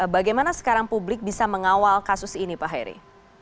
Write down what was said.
bagaimana sekarang publik bisa mengawal kasus ini pak heri